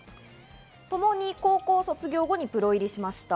ともに高校卒業後にプロ入りしました。